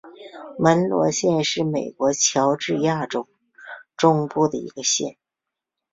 门罗县是美国乔治亚州中部的一个县。